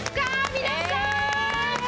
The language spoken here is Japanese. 皆さん！